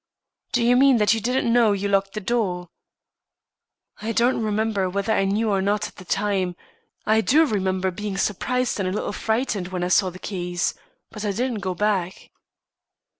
"Do you mean that you didn't know you locked the door?" "I don't remember whether I knew or not at the time. I do remember being surprised and a little frightened when I saw the keys. But I didn't go back."